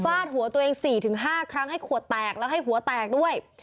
ดหัวตัวเอง๔๕ครั้งให้ขวดแตกแล้วให้หัวแตกด้วย